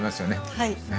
はい。